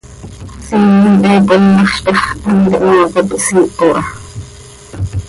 Siimen he pommaxz ta x, hant ihmaa cop ihsiiho aha.